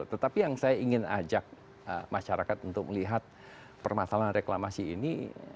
tetapi yang saya ingin ajak masyarakat untuk melihat permasalahan reklamasi ini